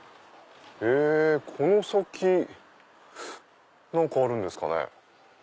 この先何かあるんですかね。